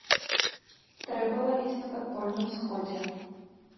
Трэба лавіць на падпольным сходзе.